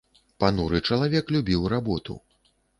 Пануры чалавек любіў работу!